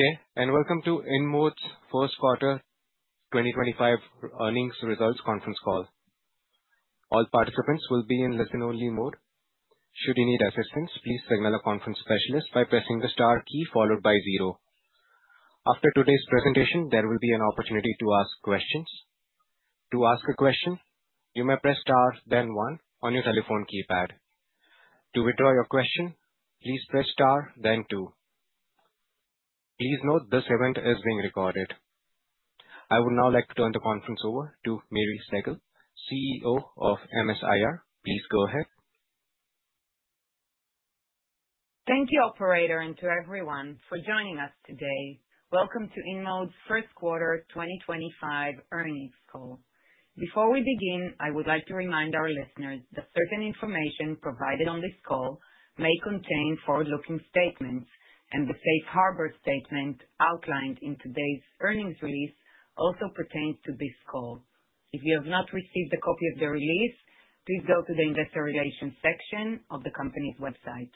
Okay, and welcome to InMode's first quarter 2025 earnings results conference call. All participants will be in listen-only mode. Should you need assistance, please signal a conference specialist by pressing the star key followed by zero. After today's presentation, there will be an opportunity to ask questions. To ask a question, you may press star, then one on your telephone keypad. To withdraw your question, please press star, then two. Please note this event is being recorded. I would now like to turn the conference over to Miri Segal, CEO of MS-IR. Please go ahead. Thank you, Operator, and to everyone for joining us today. Welcome to InMode's first quarter 2025 earnings call. Before we begin, I would like to remind our listeners that certain information provided on this call may contain forward-looking statements, and the safe harbor statement outlined in today's earnings release also pertains to this call. If you have not received a copy of the release, please go to the investor relations section of the company's website.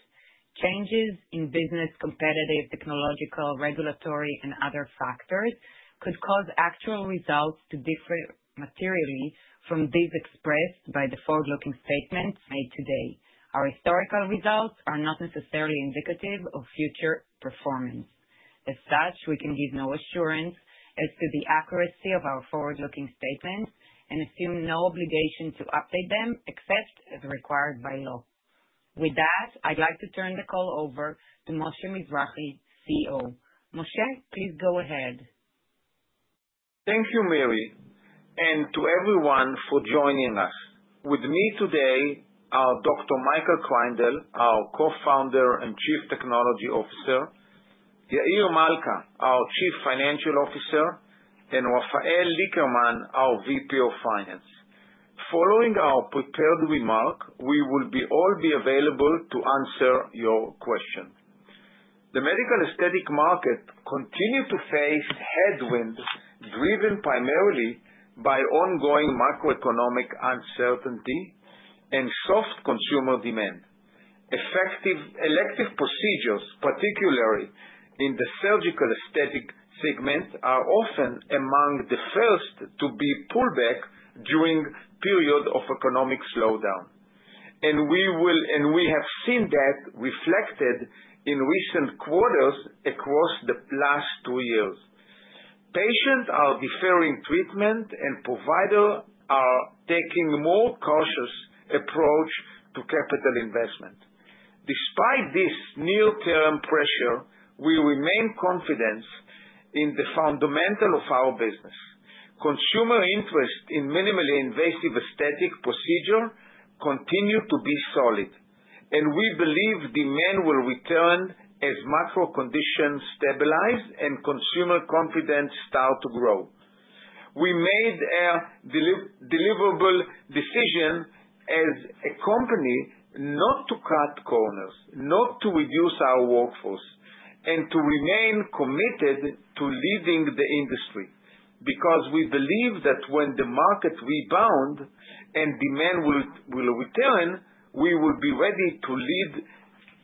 Changes in business, competitive, technological, regulatory, and other factors could cause actual results to differ materially from these expressed by the forward-looking statements made today. Our historical results are not necessarily indicative of future performance. As such, we can give no assurance as to the accuracy of our forward-looking statements and assume no obligation to update them except as required by law. With that, I'd like to turn the call over to Moshe Mizrahy, CEO. Moshe, please go ahead. Thank you, Miri, and to everyone for joining us. With me today are Dr. Michael Kreindel, our Co-founder and Chief Technology Officer; Yair Malca, our Chief Financial Officer; and Rafael Lickerman, our VP of Finance. Following our prepared remark, we will all be available to answer your questions. The medical aesthetic market continues to face headwinds driven primarily by ongoing macroeconomic uncertainty and soft consumer demand. Elective procedures, particularly in the surgical aesthetic segment, are often among the first to be pulled back during periods of economic slowdown, and we have seen that reflected in recent quarters across the last two years. Patients are deferring treatment, and providers are taking a more cautious approach to capital investment. Despite this near-term pressure, we remain confident in the fundamentals of our business. Consumer interest in minimally invasive aesthetic procedures continues to be solid, and we believe demand will return as macro conditions stabilize and consumer confidence starts to grow. We made a deliberate decision as a company not to cut corners, not to reduce our workforce, and to remain committed to leading the industry because we believe that when the market rebounds and demand will return, we will be ready to lead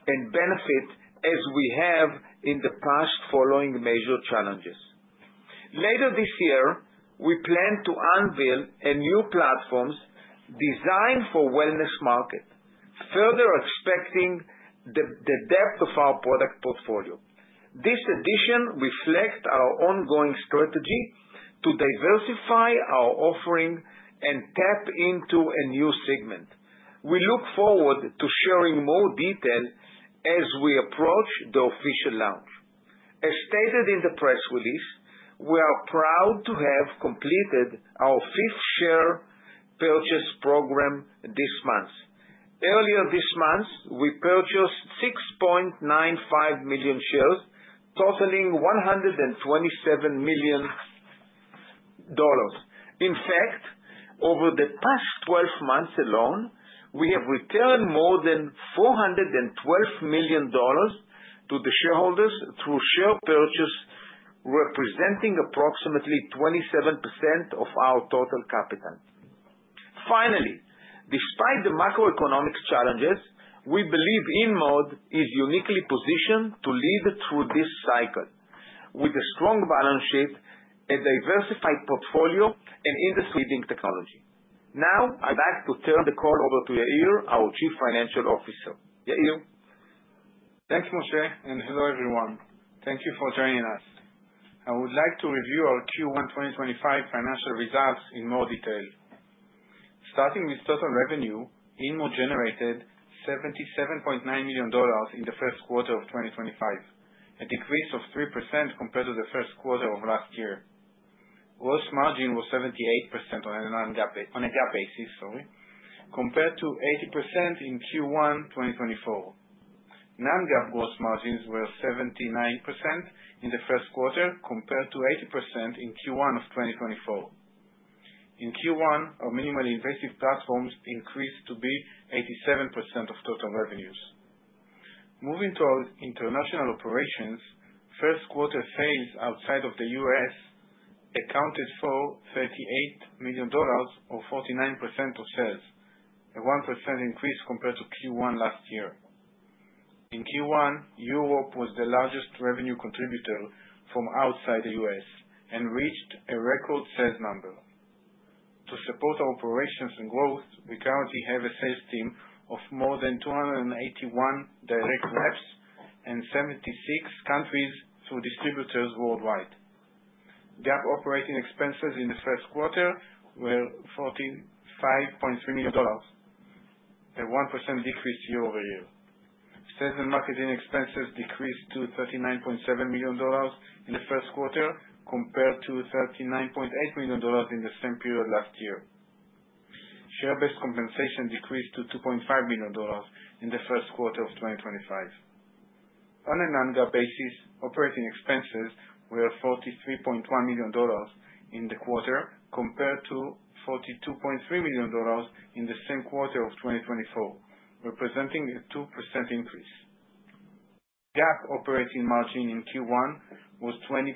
and benefit as we have in the past following major challenges. Later this year, we plan to unveil a new platform designed for the wellness market, further expanding the depth of our product portfolio. This addition reflects our ongoing strategy to diversify our offering and tap into a new segment. We look forward to sharing more details as we approach the official launch. As stated in the press release, we are proud to have completed our fifth share purchase program this month. Earlier this month, we purchased 6.95 million shares, totaling $127 million. In fact, over the past 12 months alone, we have returned more than $412 million to the shareholders through share purchases, representing approximately 27% of our total capital. Finally, despite the macroeconomic challenges, we believe InMode is uniquely positioned to lead through this cycle with a strong balance sheet, a diversified portfolio, and industry-leading technology. Now, I'd like to turn the call over to Yair, our Chief Financial Officer. Yair. Thanks, Moshe, and hello everyone. Thank you for joining us. I would like to review our Q1 2025 financial results in more detail. Starting with total revenue, InMode generated $77.9 million in the first quarter of 2025, a decrease of 3% compared to the first quarter of last year. Gross margin was 78% on a GAAP basis compared to 80% in Q1 2024. Non-GAAP gross margins were 79% in the first quarter compared to 80% in Q1 of 2024. In Q1, our minimally invasive platforms increased to be 87% of total revenues. Moving to our international operations, first quarter sales outside of the U.S. accounted for $38 million, or 49% of sales, a 1% increase compared to Q1 last year. In Q1, Europe was the largest revenue contributor from outside the U.S. and reached a record sales number. To support our operations and growth, we currently have a sales team of more than 281 direct reps and 76 countries through distributors worldwide. GAAP operating expenses in the first quarter were $45.3 million, a 1% decrease year over year. Sales and marketing expenses decreased to $39.7 million in the first quarter compared to $39.8 million in the same period last year. Share-based compensation decreased to $2.5 million in the first quarter of 2025. On a non-GAAP basis, operating expenses were $43.1 million in the quarter compared to $42.3 million in the same quarter of 2024, representing a 2% increase. GAAP operating margin in Q1 was 20%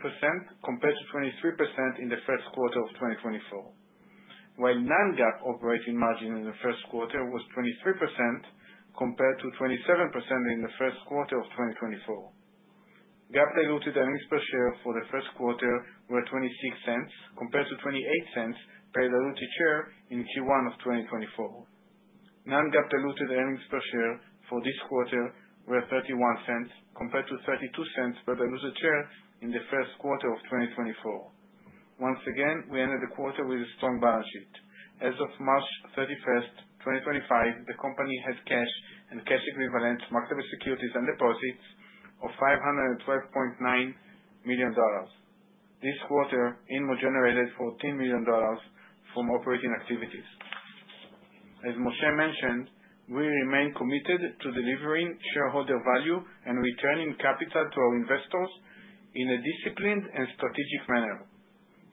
compared to 23% in the first quarter of 2024, while non-GAAP operating margin in the first quarter was 23% compared to 27% in the first quarter of 2024. GAAP diluted earnings per share for the first quarter were $0.26 compared to $0.28 per diluted share in Q1 of 2024. Non-GAAP diluted earnings per share for this quarter were $0.31 compared to $0.32 per diluted share in the first quarter of 2024. Once again, we ended the quarter with a strong balance sheet. As of March 31, 2025, the company had cash and cash equivalent marketable securities and deposits of $512.9 million. This quarter, InMode generated $14 million from operating activities. As Moshe mentioned, we remain committed to delivering shareholder value and returning capital to our investors in a disciplined and strategic manner.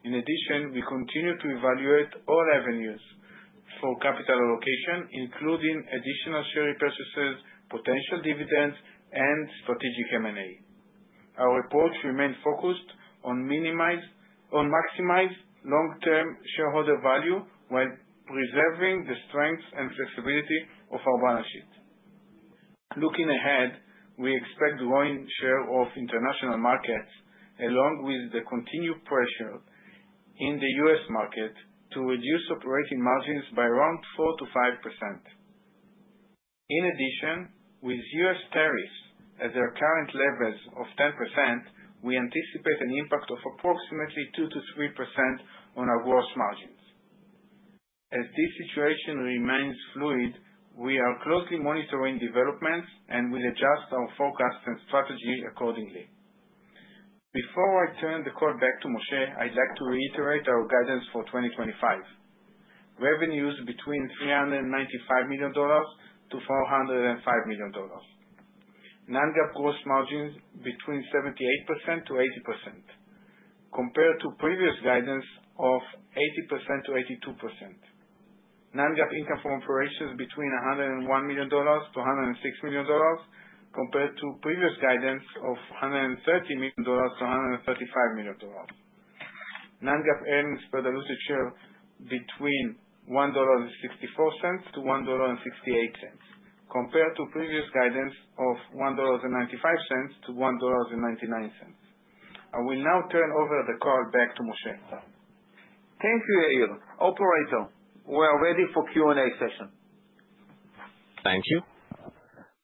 In addition, we continue to evaluate all avenues for capital allocation, including additional share repurchases, potential dividends, and strategic M&A. Our approach remains focused on maximizing long-term shareholder value while preserving the strength and flexibility of our balance sheet. Looking ahead, we expect a growing share of international markets, along with the continued pressure in the U.S. market, to reduce operating margins by around 4%-5%. In addition, with U.S. tariffs at their current levels of 10%, we anticipate an impact of approximately 2%-3% on our gross margins. As this situation remains fluid, we are closely monitoring developments and will adjust our forecasts and strategy accordingly. Before I turn the call back to Moshe, I'd like to reiterate our guidance for 2025: revenues between $395 million-$405 million, non-GAAP gross margins between 78%-80%, compared to previous guidance of 80%-82%. Non-GAAP income from operations between $101 million-$106 million, compared to previous guidance of $130 million-$135 million. Non-GAAP earnings per diluted share between $1.64-$1.68, compared to previous guidance of $1.95-$1.99. I will now turn over the call back to Moshe. Thank you, Yair. Operator, we are ready for Q&A session. Thank you.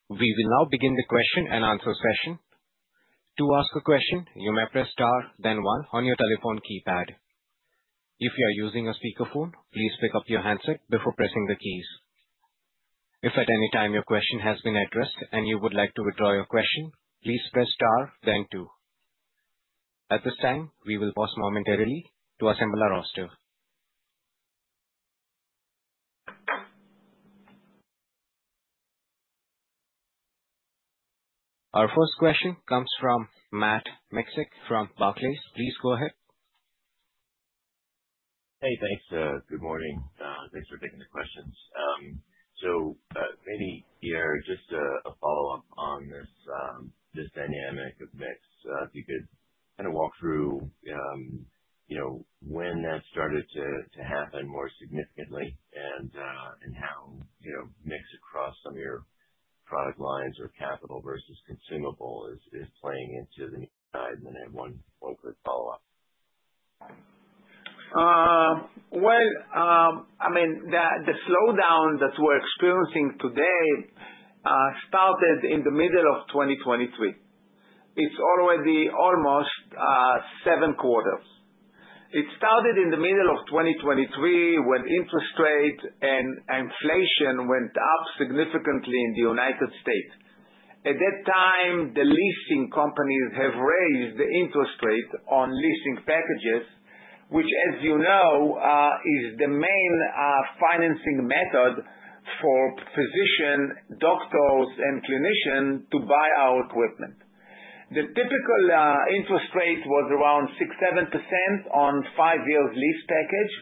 We will now begin the question and answer session. To ask a question, you may press star, then one, on your telephone keypad. If you are using a speakerphone, please pick up your handset before pressing the keys. If at any time your question has been addressed and you would like to withdraw your question, please press star, then two. At this time, we will pause momentarily to assemble our roster. Our first question comes from Matt Miksic from Barclays. Please go ahead. Hey, thanks. Good morning. Thanks for taking the questions. Maybe just a follow-up on this dynamic of mix. If you could kind of walk through when that started to happen more significantly and how mix across some of your product lines or capital versus consumable is playing into the need side, and then I have one quick follow-up. I mean, the slowdown that we're experiencing today started in the middle of 2023. It's already almost seven quarters. It started in the middle of 2023 when interest rates and inflation went up significantly in the United States. At that time, the leasing companies have raised the interest rate on leasing packages, which, as you know, is the main financing method for physicians, doctors, and clinicians to buy our equipment. The typical interest rate was around 6%-7% on a five-year lease package,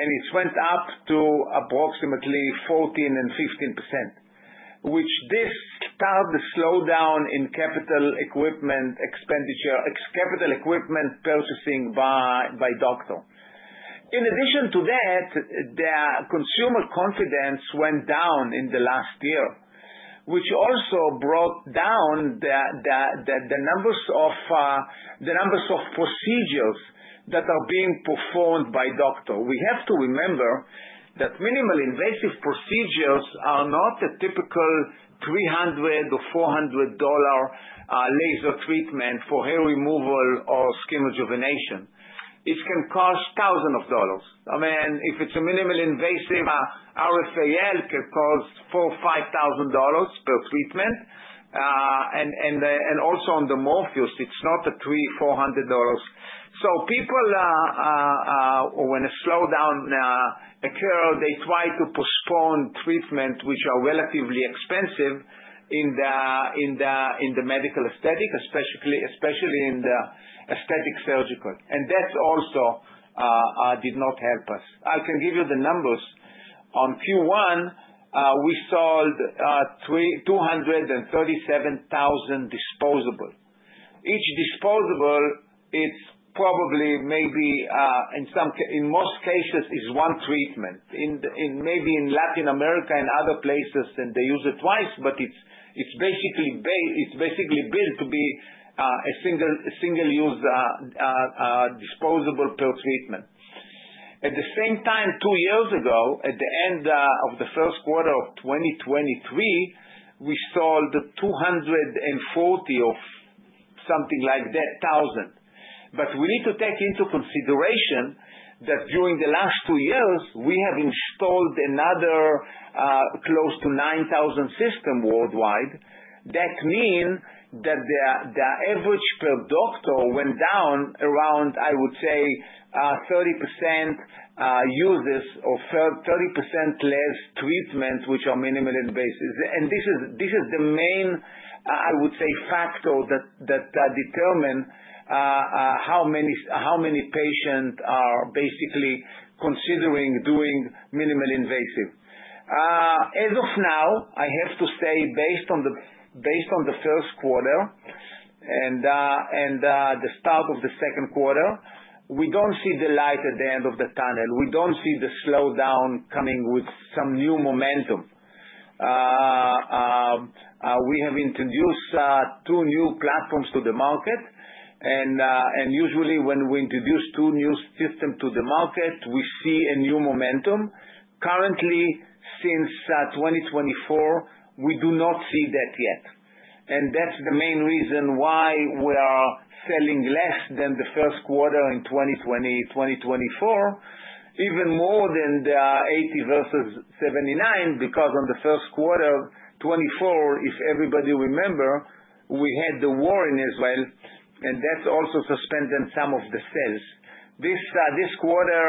and it went up to approximately 14%-15%, which did start the slowdown in capital equipment purchasing by doctors. In addition to that, consumer confidence went down in the last year, which also brought down the numbers of procedures that are being performed by doctors. We have to remember that minimally invasive procedures are not the typical $300 or $400 laser treatment for hair removal or skin rejuvenation. It can cost thousands of dollars. I mean, if it's a minimally invasive, RFAL can cost $4,000 or $5,000 per treatment. I mean, also on the Morpheus, it's not $300 or $400. People, when a slowdown occurs, they try to postpone treatments, which are relatively expensive in the medical aesthetic, especially in the aesthetic surgical. That also did not help us. I can give you the numbers. On Q1, we sold 237,000 disposables. Each disposable, it's probably maybe in most cases, it's one treatment. Maybe in Latin America and other places, they use it twice, but it's basically built to be a single-use disposable per treatment. At the same time, two years ago, at the end of the first quarter of 2023, we sold 240 of something like that thousand. We need to take into consideration that during the last two years, we have installed another close to 9,000 systems worldwide. That means that the average per doctor went down around, I would say, 30% uses or 30% less treatments, which are minimally invasive. This is the main, I would say, factor that determines how many patients are basically considering doing minimally invasive. As of now, I have to say, based on the first quarter and the start of the second quarter, we do not see the light at the end of the tunnel. We do not see the slowdown coming with some new momentum. We have introduced two new platforms to the market. Usually, when we introduce two new systems to the market, we see a new momentum. Currently, since 2024, we do not see that yet. That is the main reason why we are selling less than the first quarter in 2020, 2024, even more than the 80 versus 79, because on the first quarter 2024, if everybody remembers, we had the war in Israel, and that also suspended some of the sales. This quarter,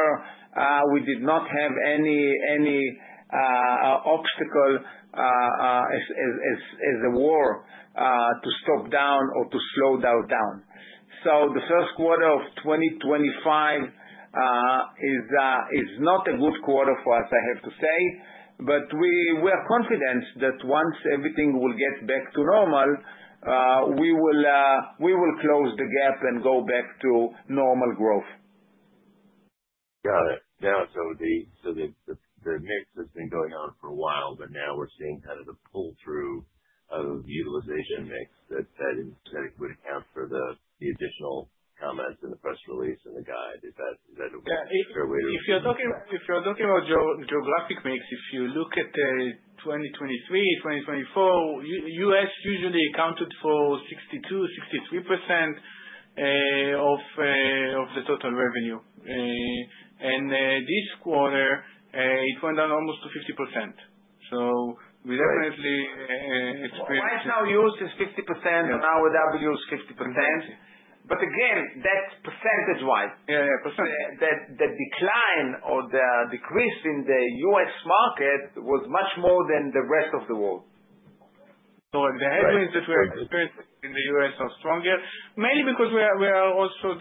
we did not have any obstacle as a war to stop down or to slow down. The first quarter of 2025 is not a good quarter for us, I have to say. We are confident that once everything will get back to normal, we will close the gap and go back to normal growth. Got it. Yeah. The mix has been going on for a while, but now we're seeing kind of the pull-through of utilization mix that would account for the additional comments in the press release and the guide. Is that a way to? If you're talking about geographic mix, if you look at 2023, 2024, US usually accounted for 62%-63% of the total revenue. This quarter, it went down almost to 50%. We definitely experienced. Right now, U.S. is 50%, and now we're down to U.S. 50%. Again, that's percentage-wise. Yeah, yeah. Percentage. The decline or the decrease in the U.S. market was much more than the rest of the world. The headwinds that we are experiencing in the U.S. are stronger, mainly because we are also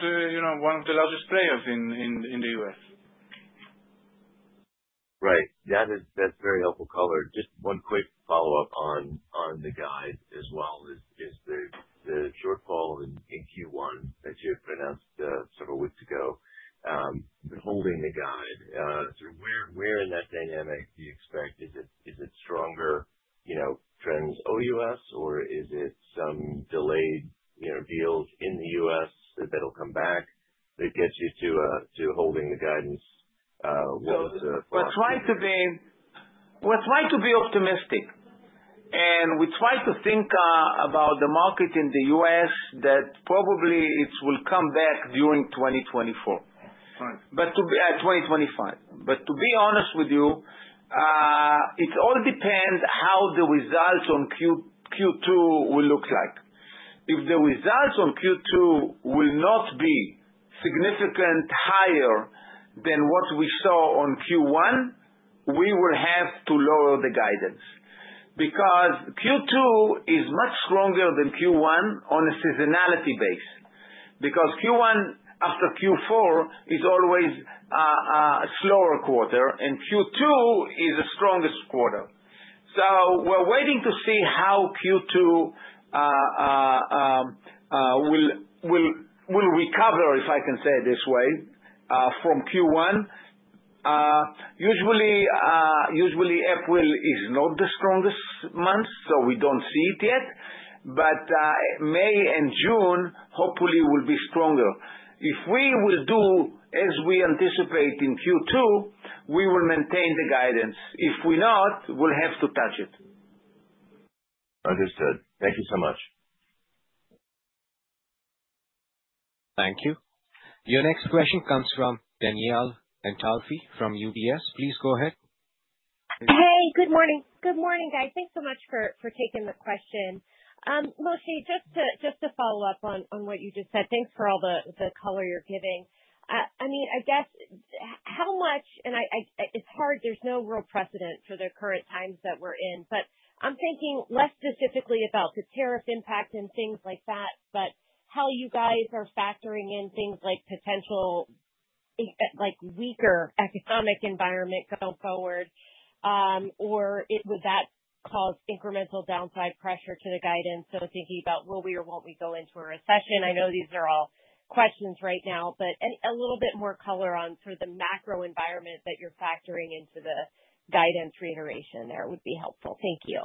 one of the largest players in the U.S. Right. That's very helpful color. Just one quick follow-up on the guide as well. The shortfall in Q1 that you had pronounced several weeks ago, holding the guide, where in that dynamic do you expect? Is it stronger trends OUS, or is it some delayed deals in the U.S. that'll come back that gets you to holding the guidance? We're trying to be optimistic. We try to think about the market in the US that probably it will come back during 2024, but 2025. To be honest with you, it all depends on how the results on Q2 will look like. If the results on Q2 will not be significantly higher than what we saw on Q1, we will have to lower the guidance. Q2 is much stronger than Q1 on a seasonality base. Q1 after Q4 is always a slower quarter, and Q2 is the strongest quarter. We're waiting to see how Q2 will recover, if I can say it this way, from Q1. Usually, April is not the strongest month, so we don't see it yet. May and June, hopefully, will be stronger. If we will do as we anticipate in Q2, we will maintain the guidance. If we're not, we'll have to touch it. Understood. Thank you so much. Thank you. Your next question comes from Danielle Antalffy from UBS. Please go ahead. Hey, good morning. Good morning, guys. Thanks so much for taking the question. Moshe, just to follow up on what you just said, thanks for all the color you're giving. I mean, I guess how much, and it's hard, there's no real precedent for the current times that we're in. I mean, I'm thinking less specifically about the tariff impact and things like that, but how you guys are factoring in things like potential weaker economic environment going forward, or would that cause incremental downside pressure to the guidance? Thinking about, will we or won't we go into a recession? I know these are all questions right now, but a little bit more color on sort of the macro environment that you're factoring into the guidance reiteration there would be helpful. Thank you.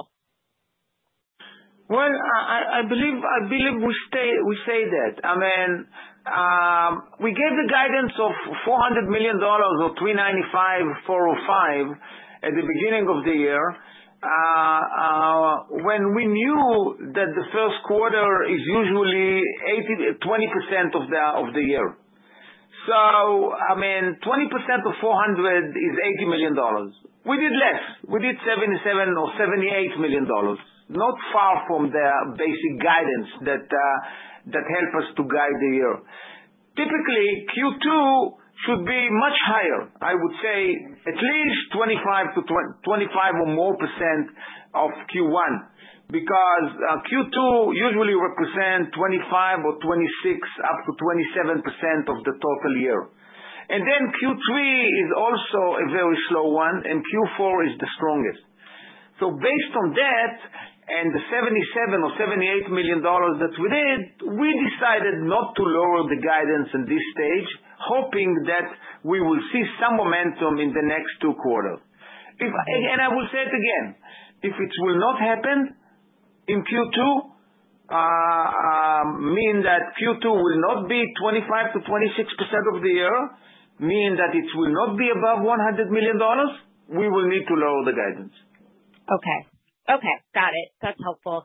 I believe we say that. I mean, we gave the guidance of $400 million or $395-$405 million at the beginning of the year when we knew that the first quarter is usually 20% of the year. I mean, 20% of $400 million is $80 million. We did less. We did $77-$78 million, not far from the basic guidance that helped us to guide the year. Typically, Q2 should be much higher. I would say at least 25% or more of Q1 because Q2 usually represents 25%-26% up to 27% of the total year. Q3 is also a very slow one, and Q4 is the strongest. Based on that and the $77-$78 million that we did, we decided not to lower the guidance at this stage, hoping that we will see some momentum in the next two quarters. I will say it again. If it will not happen in Q2, mean that Q2 will not be 25%-26% of the year, mean that it will not be above $100 million, we will need to lower the guidance. Okay. Okay. Got it. That's helpful.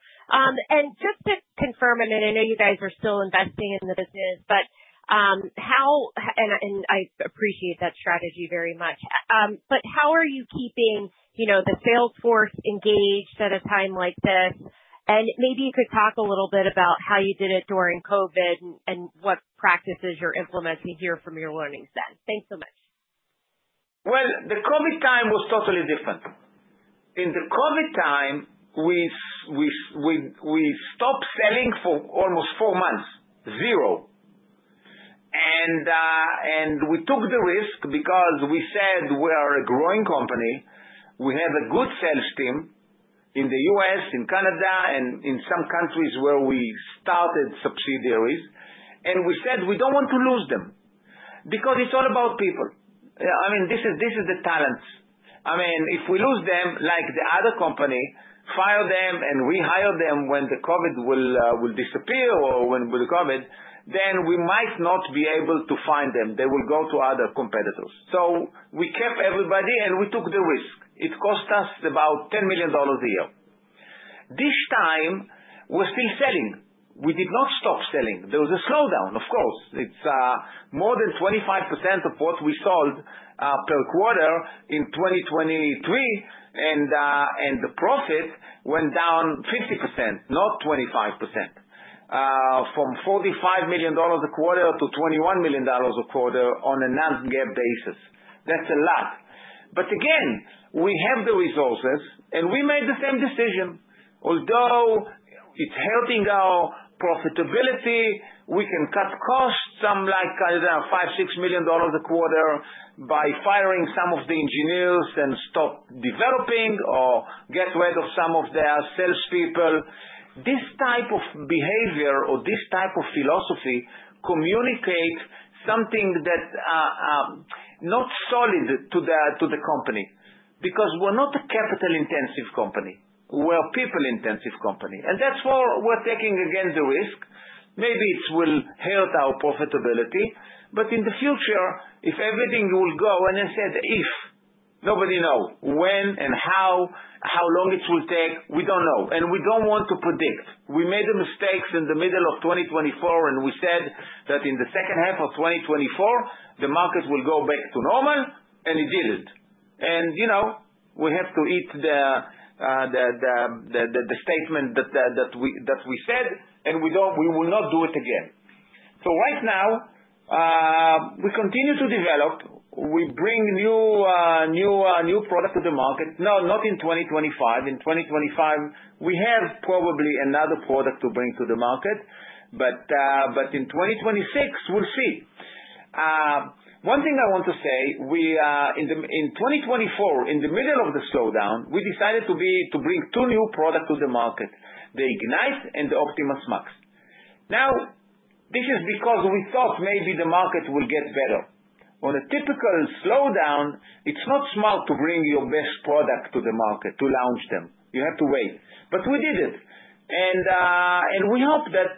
Just to confirm a minute, I know you guys are still investing in the business, but how—I appreciate that strategy very much—how are you keeping the salesforce engaged at a time like this? Maybe you could talk a little bit about how you did it during COVID and what practices you're implementing here from your learnings then. Thanks so much. The COVID time was totally different. In the COVID time, we stopped selling for almost four months, zero. We took the risk because we said we are a growing company. We have a good sales team in the U.S., in Canada, and in some countries where we started subsidiaries. We said we do not want to lose them because it is all about people. I mean, this is the talent. I mean, if we lose them, like the other company, fire them and rehire them when the COVID will disappear or when the COVID, then we might not be able to find them. They will go to other competitors. We kept everybody, and we took the risk. It cost us about $10 million a year. This time, we are still selling. We did not stop selling. There was a slowdown, of course. It's more than 25% of what we sold per quarter in 2023, and the profit went down 50%, not 25%, from $45 million a quarter to $21 million a quarter on a non-GAAP basis. That's a lot. Again, we have the resources, and we made the same decision. Although it's helping our profitability, we can cut costs some, like $5 million-$6 million a quarter by firing some of the engineers and stop developing or get rid of some of their salespeople. This type of behavior or this type of philosophy communicates something that's not solid to the company because we're not a capital-intensive company. We're a people-intensive company. That's why we're taking again the risk. Maybe it will hurt our profitability. In the future, if everything will go—and I said if—nobody knows when and how, how long it will take. We don't know. We do not want to predict. We made mistakes in the middle of 2024, and we said that in the second half of 2024, the market will go back to normal, and it did not. We have to eat the statement that we said, and we will not do it again. Right now, we continue to develop. We bring new product to the market. No, not in 2025. In 2025, we have probably another product to bring to the market. In 2026, we will see. One thing I want to say, in 2024, in the middle of the slowdown, we decided to bring two new products to the market: the Ignite and the Optimas Max. This is because we thought maybe the market will get better. On a typical slowdown, it is not smart to bring your best product to the market to launch them. You have to wait. We did it. We hope that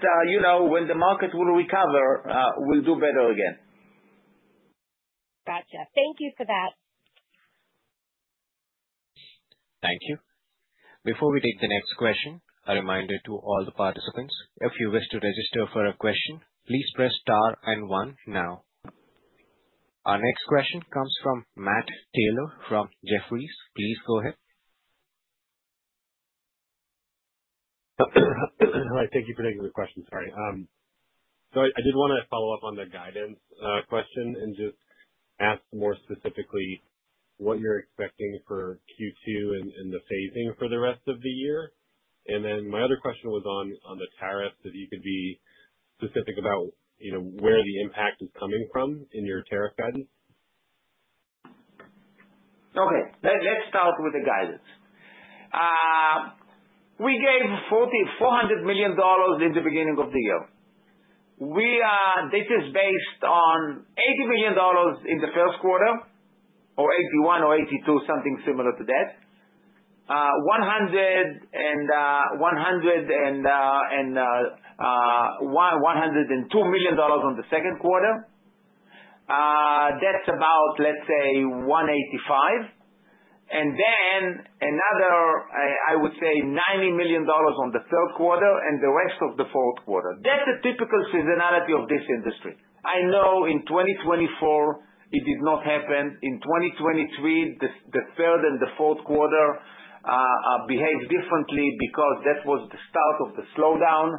when the market will recover, we'll do better again. Gotcha. Thank you for that. Thank you. Before we take the next question, a reminder to all the participants. If you wish to register for a question, please press star and one now. Our next question comes from Matt Taylor from Jefferies. Please go ahead. Hi. Thank you for taking the question. Sorry. I did want to follow up on the guidance question and just ask more specifically what you're expecting for Q2 and the phasing for the rest of the year. My other question was on the tariffs, if you could be specific about where the impact is coming from in your tariff guidance. Okay. Let's start with the guidance. We gave $400 million in the beginning of the year. This is based on $80 million in the first quarter, or $81 or $82, something similar to that, $102 million on the second quarter. That's about, let's say, $185. And then another, I would say, $90 million on the third quarter and the rest of the fourth quarter. That's the typical seasonality of this industry. I know in 2024, it did not happen. In 2023, the third and the fourth quarter behaved differently because that was the start of the slowdown.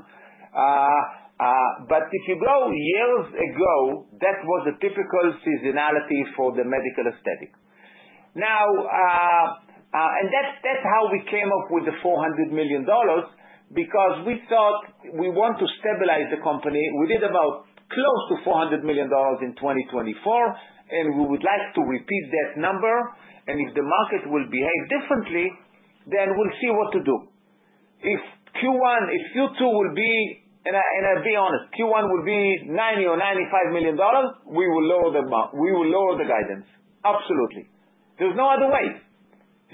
If you go years ago, that was a typical seasonality for the medical aesthetic. That's how we came up with the $400 million because we thought we want to stabilize the company. We did about close to $400 million in 2024, and we would like to repeat that number. If the market will behave differently, then we'll see what to do. If Q2 will be—and I'll be honest—Q1 will be $90 million or $95 million, we will lower the guidance. Absolutely. There's no other way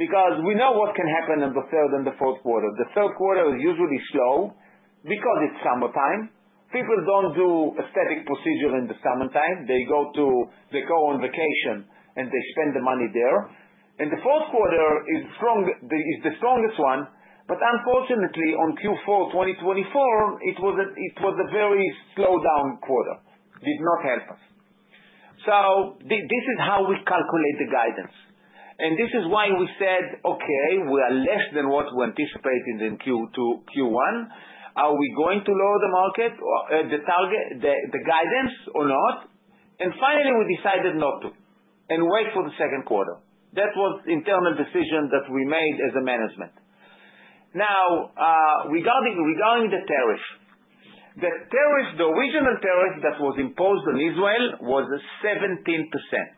because we know what can happen in the third and the fourth quarter. The third quarter is usually slow because it's summertime. People don't do aesthetic procedure in the summertime. They go on vacation, and they spend the money there. The fourth quarter is the strongest one. Unfortunately, on Q4 2024, it was a very slowdown quarter. Did not help us. This is how we calculate the guidance. This is why we said, "Okay, we are less than what we anticipated in Q1. Are we going to lower the market, the guidance, or not?" Finally, we decided not to and wait for the second quarter. That was an internal decision that we made as a management. Now, regarding the tariff, the regional tariff that was imposed on Israel was 17%.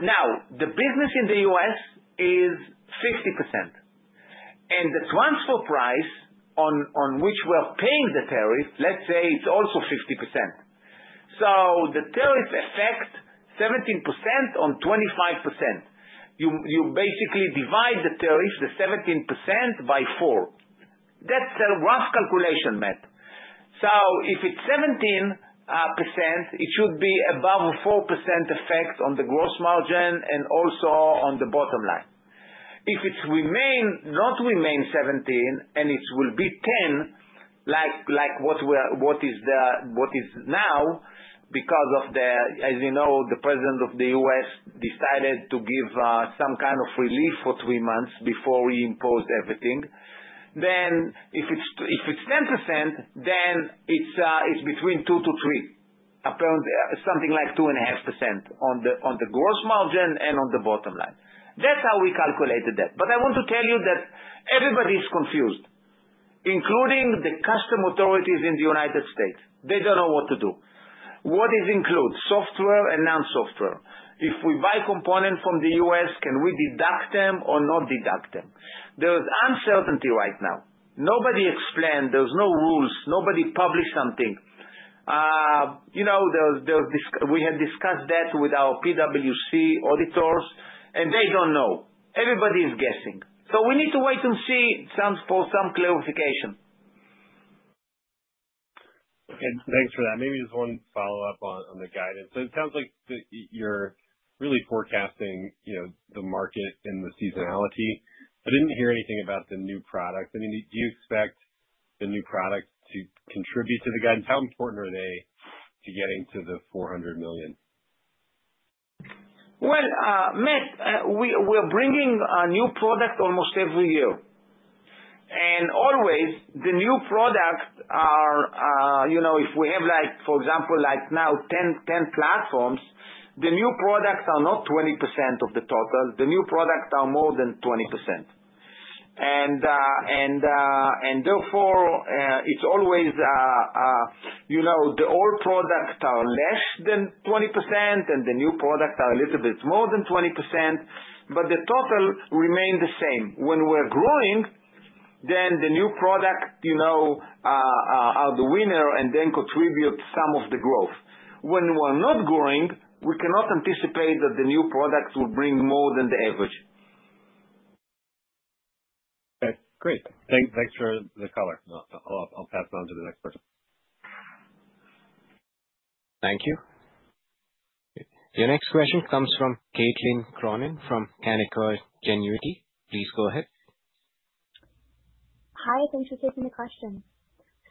Now, the business in the U.S. is 50%. And the transfer price on which we're paying the tariff, let's say, it's also 50%. So the tariff effect, 17% on 25%. You basically divide the tariff, the 17%, by 4. That's a rough calculation, Matt. If it's 17%, it should be above a 4% effect on the gross margin and also on the bottom line. If it's not remained 17 and it will be 10, like what is now because of the—as you know, the president of the U.S. decided to give some kind of relief for three months before we imposed everything. If it's 10%, then it's between 2-3, something like 2.5% on the gross margin and on the bottom line. That's how we calculated that. I want to tell you that everybody is confused, including the customs authorities in the United States. They don't know what to do. What is included? Software and non-software. If we buy components from the US, can we deduct them or not deduct them? There's uncertainty right now. Nobody explained. There are no rules. Nobody published something. We had discussed that with our PwC auditors, and they don't know. Everybody is guessing. We need to wait and see for some clarification. Okay. Thanks for that. Maybe just one follow-up on the guidance. It sounds like you're really forecasting the market and the seasonality. I didn't hear anything about the new product. I mean, do you expect the new product to contribute to the guidance? How important are they to getting to the $400 million? Matt, we're bringing a new product almost every year. Always, the new products are—if we have, for example, like now 10 platforms, the new products are not 20% of the total. The new products are more than 20%. Therefore, it's always the old products are less than 20%, and the new products are a little bit more than 20%. The total remains the same. When we're growing, the new products are the winner and then contribute some of the growth. When we're not growing, we cannot anticipate that the new product will bring more than the average. Okay. Great. Thanks for the color. I'll pass it on to the next person. Thank you. The next question comes from Caitlin Cronin from Canaccord Genuity. Please go ahead. Hi. Thanks for taking the question.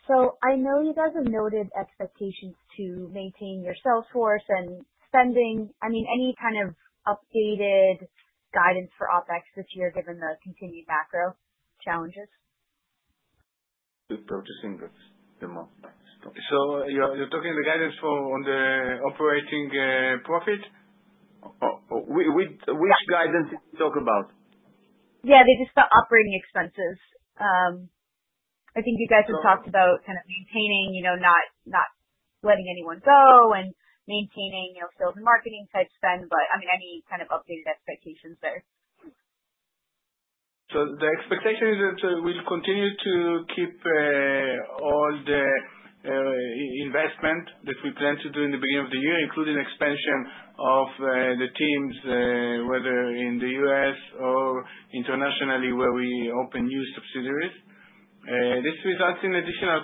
I know you guys have noted expectations to maintain your salesforce and spending. I mean, any kind of updated guidance for OpEx this year, given the continued macro challenges? With purchasing the most. You're talking the guidance on the operating profit? Which guidance did you talk about? Yeah. They just got operating expenses. I think you guys have talked about kind of maintaining, not letting anyone go, and maintaining sales and marketing-type spend. I mean, any kind of updated expectations there? The expectation is that we'll continue to keep all the investment that we plan to do in the beginning of the year, including expansion of the teams, whether in the U.S. or internationally, where we open new subsidiaries. This results in additional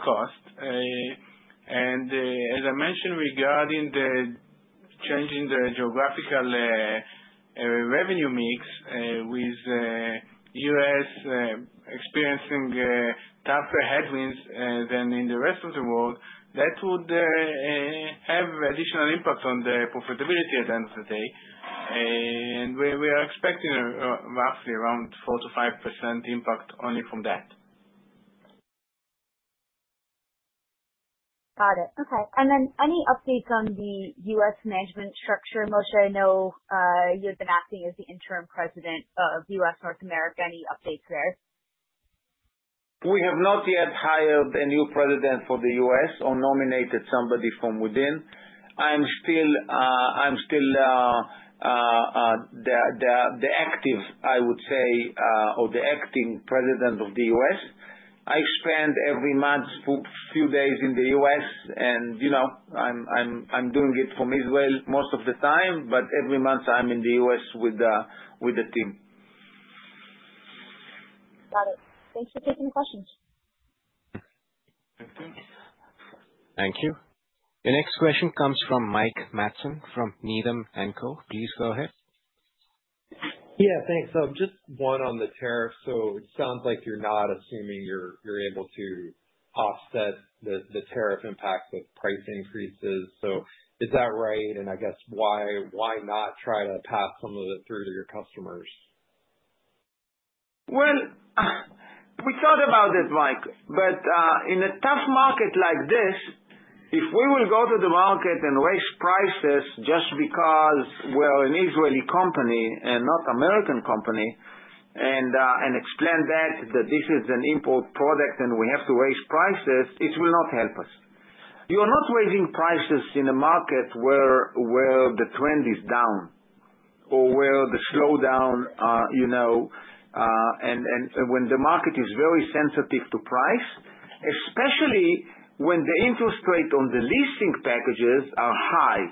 costs. As I mentioned, regarding changing the geographical revenue mix with the U.S. experiencing tougher headwinds than in the rest of the world, that would have additional impact on the profitability at the end of the day. We are expecting roughly around 4-5% impact only from that. Got it. Okay. Any updates on the U.S. management structure? Moshe, I know you've been acting as the interim President of U.S. North America, any updates there? We have not yet hired a new president for the U.S. or nominated somebody from within. I'm still the active, I would say, or the acting president of the U.S. I spend every month a few days in the U.S., and I'm doing it from Israel most of the time, but every month I'm in the U.S. with the team. Got it. Thanks for taking the questions. Thank you. The next question comes from Mike Matson from Needham & Co. Please go ahead. Yeah. Thanks. Just one on the tariff. It sounds like you're not assuming you're able to offset the tariff impact with price increases. Is that right? I guess, why not try to pass some of it through to your customers? We thought about it, Mike. In a tough market like this, if we will go to the market and raise prices just because we're an Israeli company and not an American company and explain that this is an import product and we have to raise prices, it will not help us. You're not raising prices in a market where the trend is down or where the slowdown and when the market is very sensitive to price, especially when the interest rate on the leasing packages are high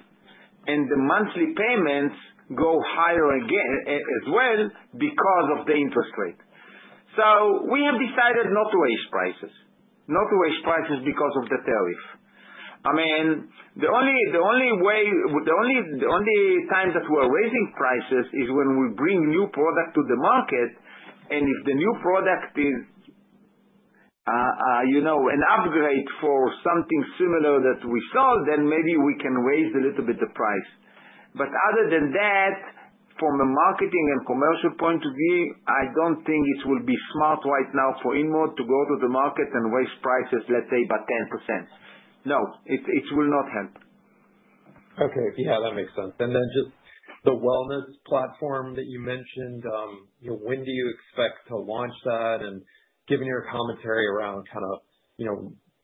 and the monthly payments go higher as well because of the interest rate. We have decided not to raise prices, not to raise prices because of the tariff. I mean, the only way, the only time that we're raising prices is when we bring new product to the market. If the new product is an upgrade for something similar that we sold, then maybe we can raise a little bit the price. Other than that, from a marketing and commercial point of view, I do not think it will be smart right now for InMode to go to the market and raise prices, let's say, by 10%. No, it will not help. Okay. Yeah. That makes sense. Just the wellness platform that you mentioned, when do you expect to launch that? Given your commentary around kind of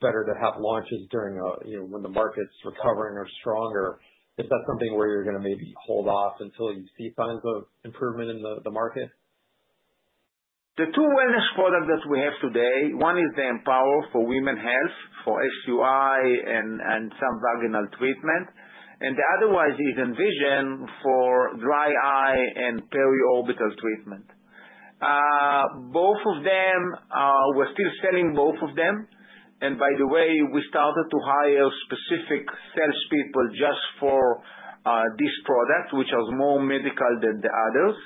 better to have launches when the market's recovering or stronger, is that something where you're going to maybe hold off until you see signs of improvement in the market? The two wellness products that we have today, one is the Empower for women's health for SUI and some vaginal treatment. The other one is Envision for dry eye and periorbital treatment. Both of them, we're still selling both of them. By the way, we started to hire specific salespeople just for this product, which was more medical than the others.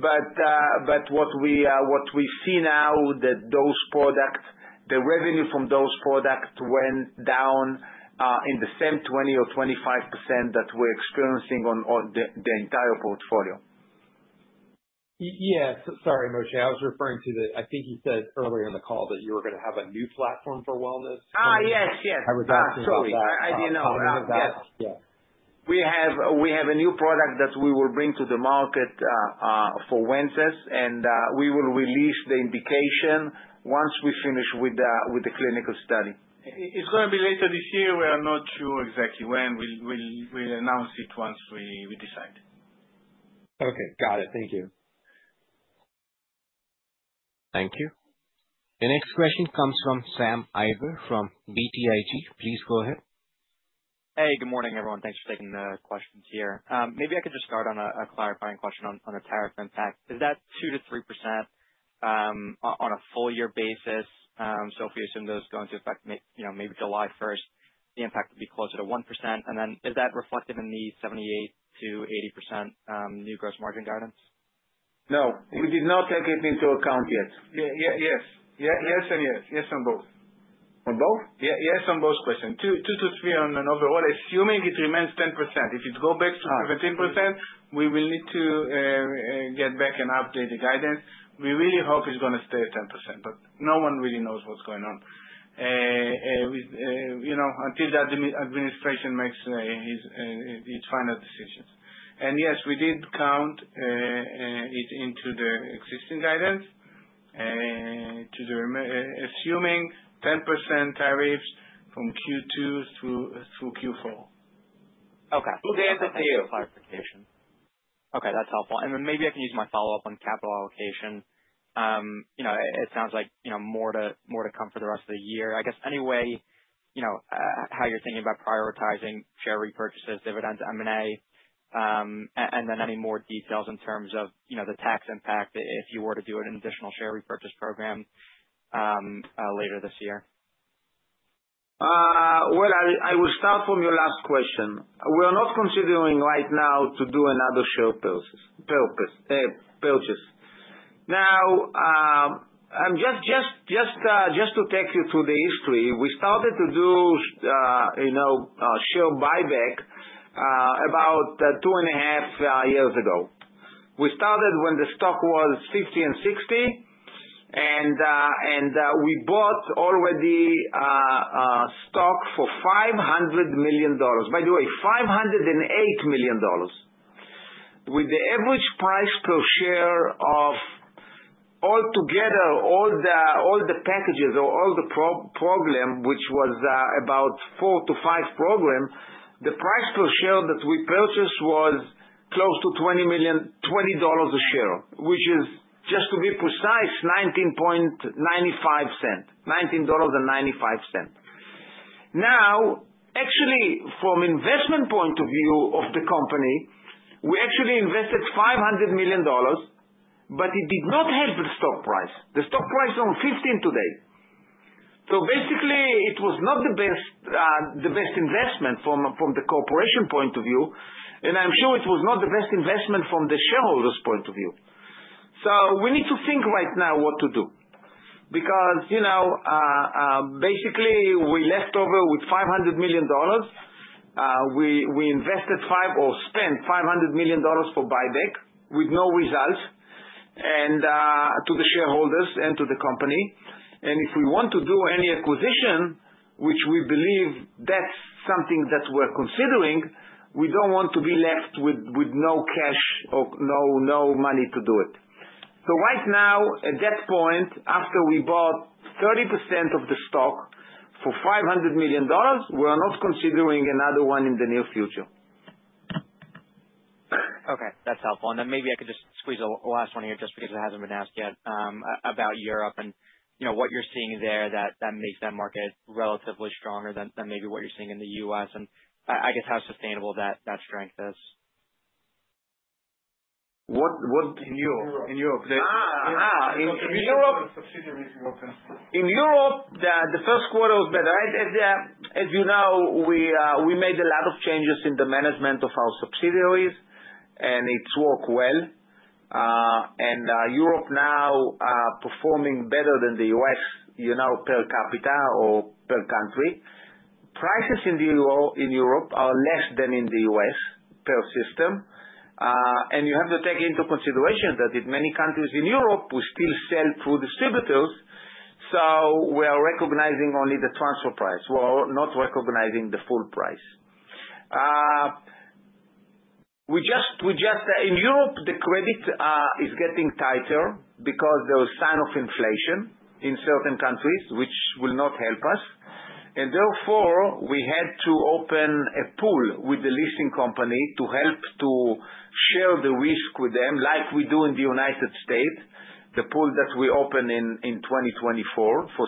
What we see now, the revenue from those products went down in the same 20% or 25% that we're experiencing on the entire portfolio. Yeah. Sorry, Moshe. I was referring to the I think you said earlier in the call that you were going to have a new platform for wellness. yes, yes. I was asking about that. Absolutely. I didn't know about that. Yeah. We have a new product that we will bring to the market for women's health, and we will release the indication once we finish with the clinical study. It's going to be later this year. We are not sure exactly when. We'll announce it once we decide. Okay. Got it. Thank you. Thank you. The next question comes from Sam Eiber from BTIG. Please go ahead. Hey. Good morning, everyone. Thanks for taking the questions here. Maybe I could just start on a clarifying question on the tariff impact. Is that 2-3% on a full-year basis? If we assume those are going to affect maybe July 1, the impact would be closer to 1%. Is that reflective in the 78-80% new gross margin guidance? No. We did not take it into account yet. Yes. Yes and yes. Yes on both. On both? Yes on both questions. Two to three on overall, assuming it remains 10%. If it goes back to 17%, we will need to get back and update the guidance. We really hope it's going to stay at 10%, but no one really knows what's going on until the administration makes its final decisions. Yes, we did count it into the existing guidance, assuming 10% tariffs from Q2 through Q4. Okay. We'll get into the clarification. Okay. That's helpful. Maybe I can use my follow-up on capital allocation. It sounds like more to come for the rest of the year. I guess any way how you're thinking about prioritizing share repurchases, dividends, M&A, and then any more details in terms of the tax impact if you were to do an additional share repurchase program later this year? I will start from your last question. We are not considering right now to do another share purchase. Just to take you through the history, we started to do share buyback about two and a half years ago. We started when the stock was 50 and 60, and we bought already stock for $500 million. By the way, $508 million. With the average price per share of altogether, all the packages or all the program, which was about 4 to 5 programs, the price per share that we purchased was close to $20 a share, which is, just to be precise, 19.95 cents, $19.95. Actually, from an investment point of view of the company, we actually invested $500 million, but it did not help the stock price. The stock price is on 15 today. Basically, it was not the best investment from the corporation point of view, and I'm sure it was not the best investment from the shareholders' point of view. We need to think right now what to do because basically, we left over with $500 million. We invested or spent $500 million for buyback with no result to the shareholders and to the company. If we want to do any acquisition, which we believe that's something that we're considering, we don't want to be left with no cash or no money to do it. Right now, at that point, after we bought 30% of the stock for $500 million, we're not considering another one in the near future. Okay. That's helpful. Maybe I could just squeeze a last one here just because it hasn't been asked yet about Europe and what you're seeing there that makes that market relatively stronger than maybe what you're seeing in the U.S. and I guess how sustainable that strength is. What in Europe? In Europe. In Europe. In Europe. In Europe, the subsidiaries were consistent. In Europe, the first quarter was better. As you know, we made a lot of changes in the management of our subsidiaries, and it's worked well. Europe now is performing better than the U.S. per capita or per country. Prices in Europe are less than in the U.S. per system. You have to take into consideration that in many countries in Europe, we still sell through distributors. We are recognizing only the transfer price. We're not recognizing the full price. In Europe, the credit is getting tighter because there were signs of inflation in certain countries, which will not help us. Therefore, we had to open a pool with the leasing company to help to share the risk with them like we do in the United States, the pool that we opened in 2024 for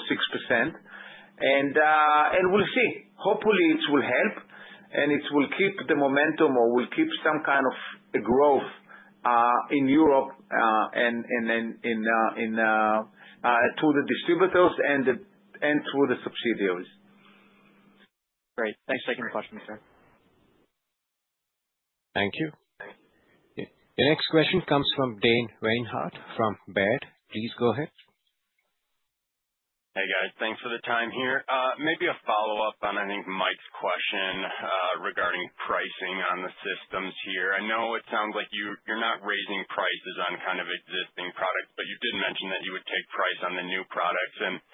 6%. We'll see. Hopefully, it will help, and it will keep the momentum or will keep some kind of growth in Europe and through the distributors and through the subsidiaries. Great. Thanks for taking the questions, sir. Thank you. The next question comes from Dane Reinhardt from Baird. Please go ahead. Hey, guys. Thanks for the time here. Maybe a follow-up on, I think, Mike's question regarding pricing on the systems here. I know it sounds like you're not raising prices on kind of existing products, but you did mention that you would take price on the new products.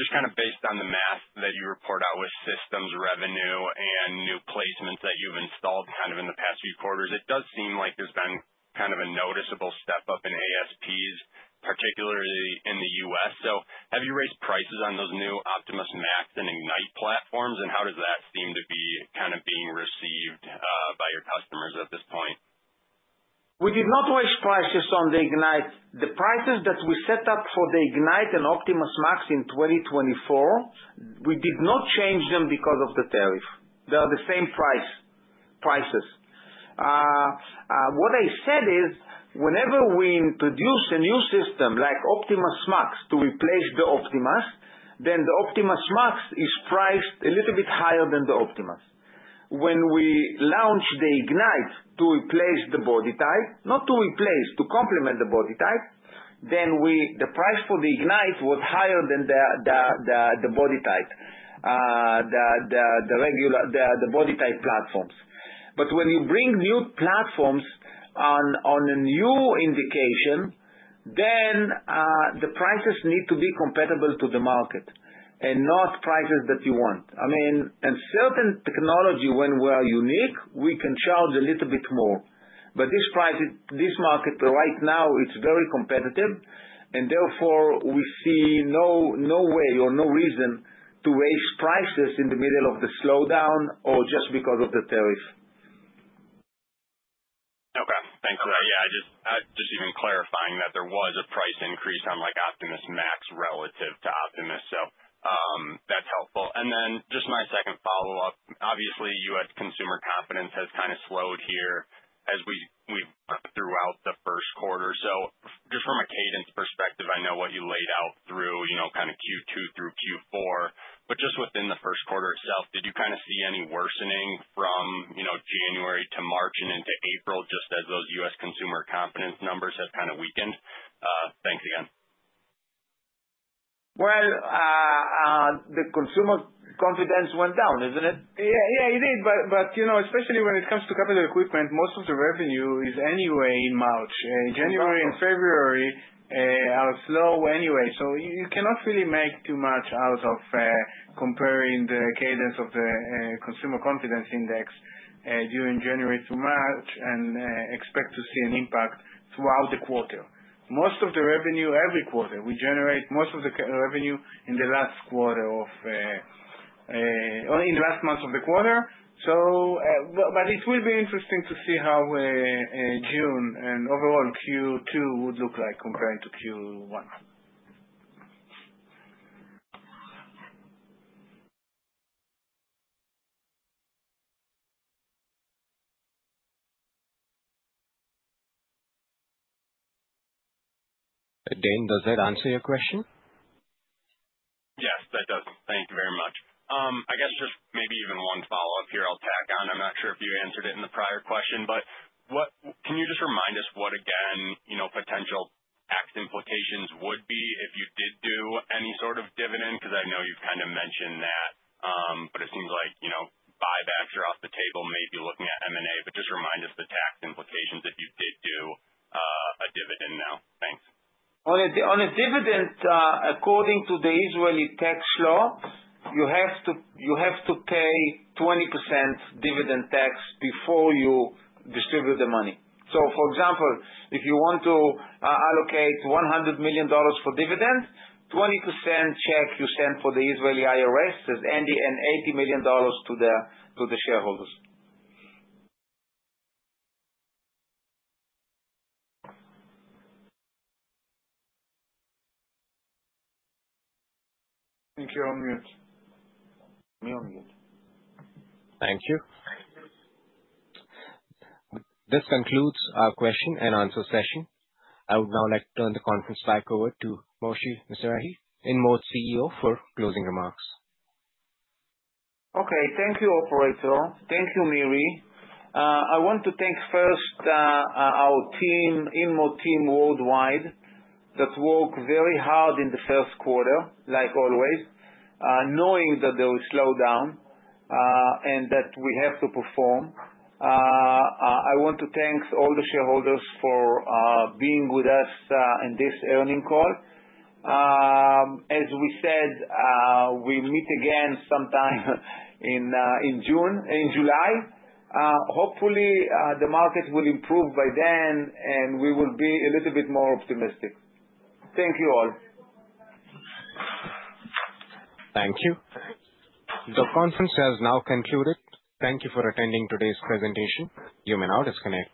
Just kind of based on the math that you report out with systems revenue and new placements that you've installed kind of in the past few quarters, it does seem like there's been kind of a noticeable step up in ASPs, particularly in the U.S. Have you raised prices on those new Optimas Max and Ignite platforms? How does that seem to be kind of being received by your customers at this point? We did not raise prices on the Ignite. The prices that we set up for the Ignite and Optimas Max in 2024, we did not change them because of the tariff. They are the same prices. What I said is whenever we introduce a new system like Optimas Max to replace the Optimas, then the Optimas Max is priced a little bit higher than the Optimas. When we launch the Ignite to replace the BodyTite, not to replace, to complement the BodyTite, then the price for the Ignite was higher than the BodyTite, the BodyTite platforms. When you bring new platforms on a new indication, then the prices need to be compatible to the market and not prices that you want. I mean, in certain technology, when we are unique, we can charge a little bit more. This market right now, it's very competitive, and therefore, we see no way or no reason to raise prices in the middle of the slowdown or just because of the tariff. Okay. Thanks for that. Yeah. Just even clarifying that there was a price increase on Optimas Max relative to Optimas. That is helpful. Just my second follow-up. Obviously, US consumer confidence has kind of slowed here as we went throughout the first quarter. Just from a cadence perspective, I know what you laid out through kind of Q2 through Q4. Just within the first quarter itself, did you kind of see any worsening from January to March and into April just as those US consumer confidence numbers have kind of weakened? Thanks again. The consumer confidence went down, isn't it? Yeah, it did. Especially when it comes to capital equipment, most of the revenue is anyway in March. January and February are slow anyway. You cannot really make too much out of comparing the cadence of the consumer confidence index during January to March and expect to see an impact throughout the quarter. Most of the revenue, every quarter, we generate most of the revenue in the last months of the quarter. It will be interesting to see how June and overall Q2 would look like compared to Q1. Dane, does that answer your question? Yes, that does. Thank you very much. I guess just maybe even one follow-up here I'll tack on. I'm not sure if you answered it in the prior question, but can you just remind us what, again, potential tax implications would be if you did do any sort of dividend? Because I know you've kind of mentioned that, but it seems like buybacks are off the table, maybe looking at M&A. Just remind us the tax implications if you did do a dividend now. Thanks. On a dividend, according to the Israeli tax law, you have to pay 20% dividend tax before you distribute the money. For example, if you want to allocate $100 million for dividend, 20% check you send for the Israeli IRS and $80 million to the shareholders. Think you're on mute. Me on mute. Thank you. That concludes our question and answer session. I would now like to turn the conference back over to Moshe Mizrahy, InMode CEO, for closing remarks. Okay. Thank you, Operator. Thank you, Miri. I want to thank first our team, InMode team worldwide, that worked very hard in the first quarter, like always, knowing that there was a slowdown and that we have to perform. I want to thank all the shareholders for being with us in this earning call. As we said, we meet again sometime in July. Hopefully, the market will improve by then, and we will be a little bit more optimistic. Thank you all. Thank you. The conference has now concluded. Thank you for attending today's presentation. You may now disconnect.